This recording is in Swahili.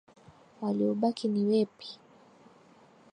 Waliobaki ni wepi.